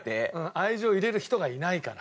愛情入れる人がいないから。